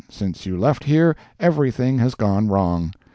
Since you left here, everything has gone wrong.